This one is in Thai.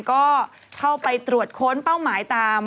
ก็เข้าไปตรวจค้นเป้าหมายตาม